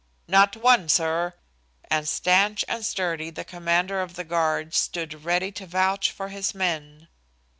"Not one, sir," and, stanch and sturdy, the commander of the guard stood ready to vouch for his men.